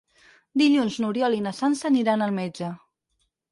Dilluns n'Oriol i na Sança aniran al metge.